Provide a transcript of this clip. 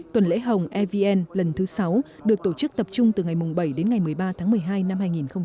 tuần lễ hồng evn lần thứ sáu được tổ chức tập trung từ ngày bảy đến ngày một mươi ba tháng một mươi hai năm hai nghìn một mươi chín